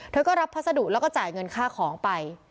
เธอก็รับพัสดุแล้วก็จ่ายเงินค่าของไป